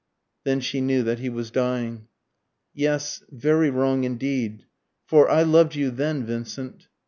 Then she knew that he was dying. "Yes, very wrong indeed. For I loved you then, Vincent."